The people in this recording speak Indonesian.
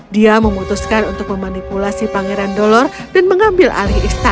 dia memutuskan untuk memanipulasi pangeran dolor dan mengambil alih istana